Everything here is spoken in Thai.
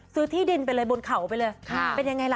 ที่ดินไปเลยบนเขาไปเลยเป็นยังไงล่ะ